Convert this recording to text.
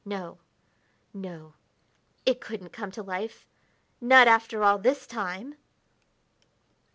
no, no! it couldn't come to life; not after all this time!